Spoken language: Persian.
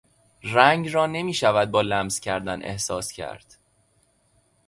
رنگ را نمیشود با لمس کردن احساس کرد.